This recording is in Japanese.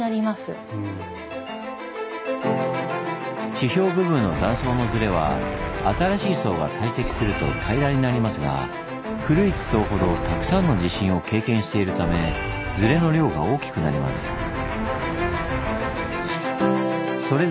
地表部分の断層のズレは新しい層が堆積すると平らになりますが古い地層ほどたくさんの地震を経験しているためズレの量が大きくなります。